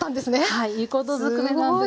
はいいいことずくめなんです。